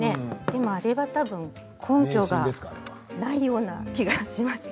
でもあれは、根拠がないような気がします。